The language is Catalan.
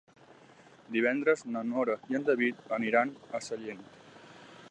Divendres na Nora i en David aniran a Sallent.